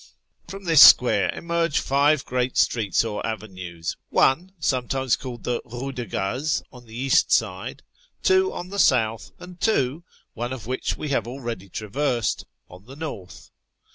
TEHERAN 93 rrom this square emerge five great streets or avenues ; one, sometimes called the " Eue cle Gaz," on the east side ; two on the south ; and two (one of which we have already traversed) on the north.